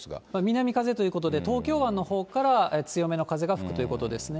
南風ということで、東京湾のほうから強めの風が吹くということですね。